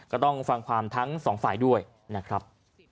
ก็ต้องฟังความทั้งสองฝ่ายด้วยนะครับ